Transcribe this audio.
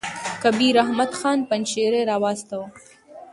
کبیر احمد خان پنجشېري را واستاوه.